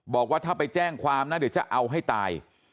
บอกว่าถ้าไปแจ้งความน่าจะเอาให้ตาย